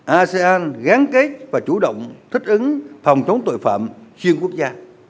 asean gán kết và chủ động thích ứng phòng chống tội phạm chuyên quốc gia